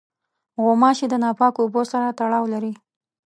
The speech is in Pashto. غوماشې د ناپاکو اوبو سره تړاو لري.